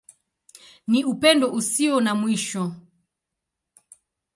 Ni Upendo Usio na Mwisho.